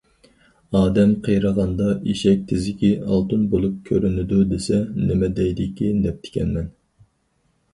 ‹‹ ئادەم قېرىغاندا ئېشەك تېزىكى ئالتۇن بولۇپ كۆرۈنىدۇ›› دېسە نېمە دەيدىكىن دەپتىكەنمەن.